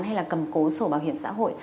hay là cầm cố sổ bảo hiểm xã hội